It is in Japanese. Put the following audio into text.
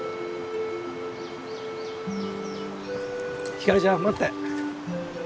ひかりちゃん待って。